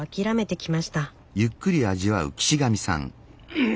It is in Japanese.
うん。